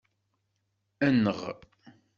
Enɣ.